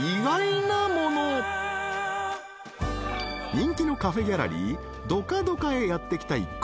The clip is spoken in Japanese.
［人気のカフェギャラリー土花土花へやって来た一行］